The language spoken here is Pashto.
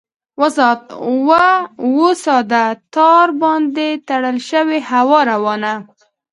وساده ! تار باندې تړلی شي هوا روانه ؟